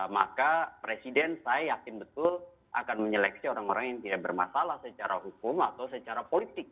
maka presiden saya yakin betul akan menyeleksi orang orang yang tidak bermasalah secara hukum atau secara politik